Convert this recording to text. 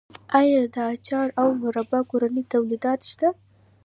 آیا د اچار او مربا کورني تولیدات شته؟